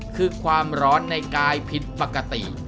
คือความร้อนในกายผิดปกติ